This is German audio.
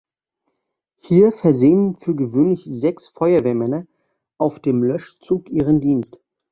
Hier versehen für gewöhnlich sechs Feuerwehrmänner auf dem Löschzug ihren Dienst.